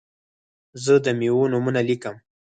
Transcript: زه د میوو نومونه لیکم.